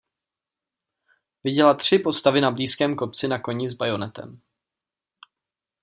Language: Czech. Viděla tři postavy na blízkém kopci na koni s bajonetem.